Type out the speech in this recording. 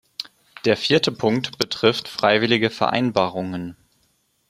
Der vierte Punkt betrifft freiwillige Vereinbarungen.